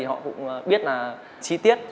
họ cũng biết là chi tiết